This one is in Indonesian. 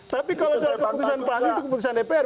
tapi kalau soal keputusan pak astagfir itu keputusan dpr